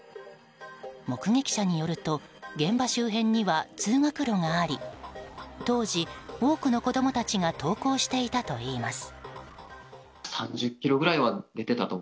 目撃者によると現場周辺には通学路があり当時、多くの子供たちが登校していたといいます。